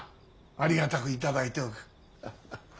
ありがたく頂いておく。